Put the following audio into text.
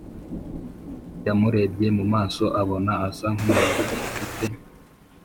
yamurebye mumaso abona asa nkumuntu ufite